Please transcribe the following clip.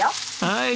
はい！